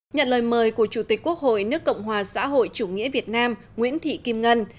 nhận lời mời của chủ tịch quốc hội nước cộng hòa xã hội chủ nghĩa việt nam nguyễn thị kim ngân